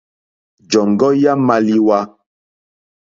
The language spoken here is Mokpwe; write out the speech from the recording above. Jɔ̀ŋɡɔ́ já !málíwá.